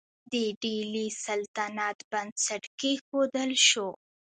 د ډیلي سلطنت بنسټ کیښودل شو.